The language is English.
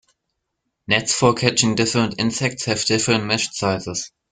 Nets for catching different insects have different mesh sizes.